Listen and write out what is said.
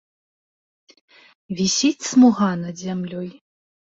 Вісіць смуга над зямлёй.